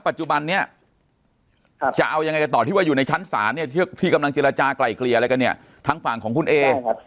ปัจจุบันนี้จะเอายังไงกันต่อที่ว่าอยู่ในชั้นศาลเนี่ยที่กำลังเจรจากลายเกลี่ยอะไรกันเนี่ยทางฝั่งของคุณเอ